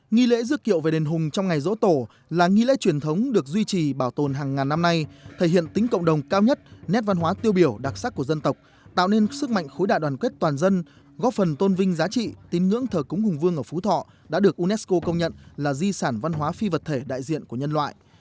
nghi lễ dước kiệu về đền hùng trong ngày dỗ tổ là nghi lễ truyền thống được duy trì bảo tồn hàng ngàn năm nay thể hiện tính cộng đồng cao nhất nét văn hóa tiêu biểu đặc sắc của dân tộc tạo nên sức mạnh khối đại đoàn kết toàn dân góp phần tôn vinh giá trị tín ngưỡng thờ cúng hùng vương ở phú thọ đã được unesco công nhận là di sản văn hóa phi vật thể đại diện của nhân loại